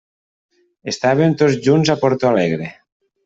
Estàvem tots junts a Porto Alegre.